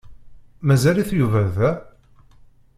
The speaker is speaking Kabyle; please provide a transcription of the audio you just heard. Mazal-it Yuba da?